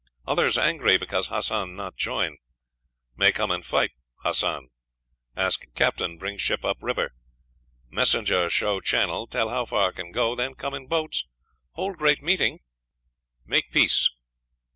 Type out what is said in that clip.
Others angry because Hassan not join. May come and fight Hassan. Ask captain bring ship up river; messenger show channel, tell how far can go, then come in boats, hold great meeting, make peace."